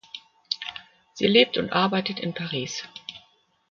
Sie lebt und arbeitet in Paris.